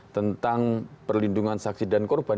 tentang perlindungan saksi dan korban